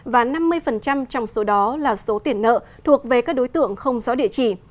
và năm mươi trong số đó là số tiền nợ thuộc về các đối tượng không rõ địa chỉ